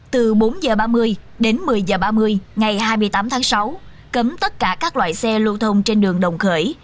từ bốn h ba mươi đến một mươi h ba mươi ngày hai mươi tám tháng sáu cấm tất cả các loại xe lưu thông trên đường đồng khởi